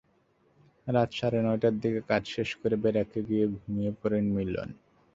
রাত সাড়ে নয়টার দিকে কাজ শেষ করে ব্যারাকে গিয়ে ঘুমিয়ে পড়েন মিলন।